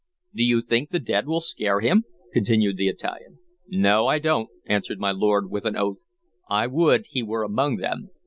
"Do you think the dead will scare him?" continued the Italian. "No, I don't!" answered my lord, with an oath. "I would he were among them!